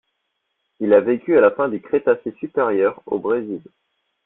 Il a vécu à la fin du Crétacé supérieur au Brésil.